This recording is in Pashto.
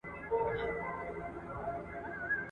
شپه او ورځ په یوه بل پسي لګیا وي ..